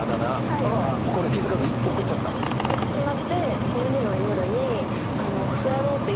送ってしまってその日の夜に。